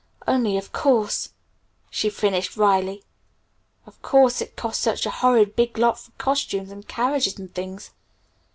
"Only, of course," she finished wryly; "only, of course, it costs such a horrid big lot for costumes and carriages and things.